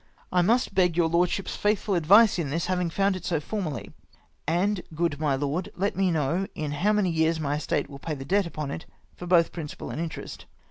I must beg your lordship's faithful advice in this, having found it so formerly. And, good my lord, let me know in how many years my estate will pay the debt upon it, both prin cipal and interest.